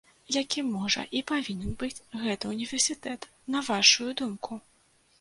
Якім можа і павінен быць гэты ўніверсітэт, на вашую думку?